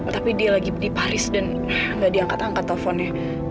tapi dia lagi di paris dan gak diangkat angkat teleponnya